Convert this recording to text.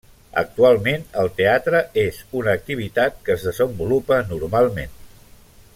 Actualment el teatre és una activitat que es desenvolupa normalment.